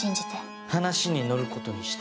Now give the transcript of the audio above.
話に乗ることにした。